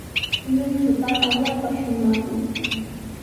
Lluychuqa allaapa shumaqmi.